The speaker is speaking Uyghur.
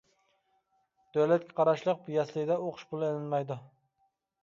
دۆلەتكە قاراشلىق يەسلىدە ئوقۇش پۇلى ئېلىنمايدۇ.